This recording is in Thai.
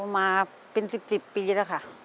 มาเป็น๑๐ปีแล้วค่ะ